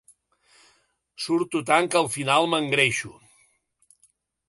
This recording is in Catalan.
Surto tant que al final m'engreixo.